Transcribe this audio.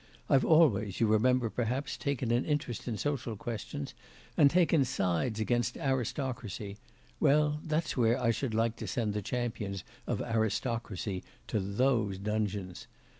I've always, you remember perhaps, taken an interest in social questions, and taken sides against aristocracy well, that's where I should like to send the champions of aristocracy to those dungeons.